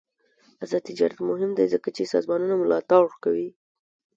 آزاد تجارت مهم دی ځکه چې سازمانونه ملاتړ کوي.